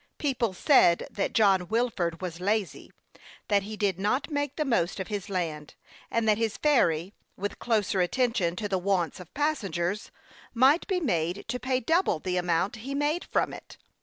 People said that John Wilford was lazy; that he did not make the most of his land, and that his ferry, with closer attention to the wants of passen gers, might be made to pay double the amount he made from it.